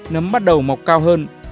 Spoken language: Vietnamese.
nấm bắt đầu mọc cao hơn